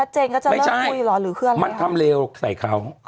ขอละโกรธใช่ไหม